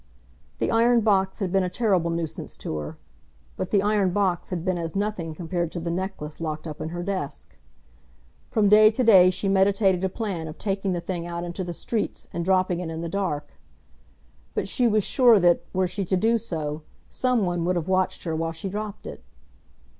The iron box had been a terrible nuisance to her; but the iron box had been as nothing compared to the necklace locked up in her desk. From day to day she meditated a plan of taking the thing out into the streets, and dropping it in the dark; but she was sure that, were she to do so, some one would have watched her while she dropped it.